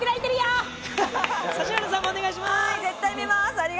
指原さんもお願いします。